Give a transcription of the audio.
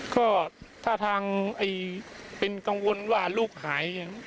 ก็ถ้าทางเป็นกังวลว่าลูกหาย